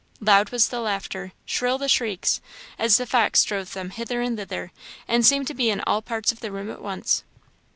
Loud was the laughter, shrill the shrieks, as the fox drove them hither and thither, and seemed to be in all parts of the room at once.